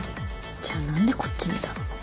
じゃあ何でこっち見たの？